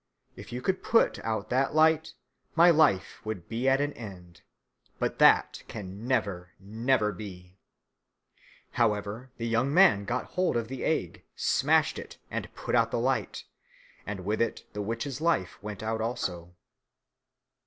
If you could put out that light, my life would be at an end. But that can never, never be." However, the young man got hold of the egg, smashed it, and put out the light, and with it the witch's life went out also.